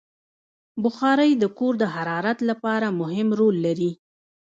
بخاري د کور د حرارت لپاره مهم رول لري.